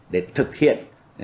để thực hiện